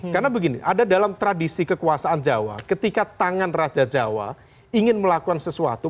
karena begini ada dalam tradisi kekuasaan jawa ketika tangan raja jawa ingin melakukan sesuatu